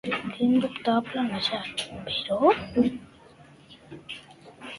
Quin dubte ha plantejat, però?